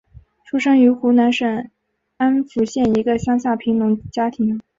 出生于湖南省安福县一个乡下贫农家庭。